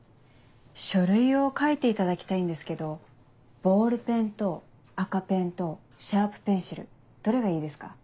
書類を書いていただきたいんですけどボールペンと赤ペンとシャープペンシルどれがいいですか？